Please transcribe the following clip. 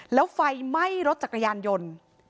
แล้วไฟไหม้รถจักรยานยนต์